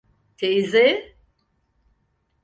Teyze?